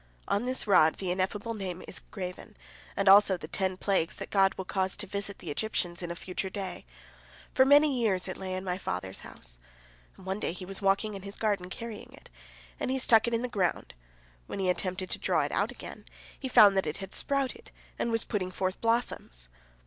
On this rod the Ineffable Name is graven, and also the ten plagues that God will cause to visit the Egyptians in a future day. For many years it lay in my father's house. One day he was walking in his garden carrying it, and he stuck it in the ground. When he attempted to draw it out again, he found that it had sprouted, and was putting forth blossoms.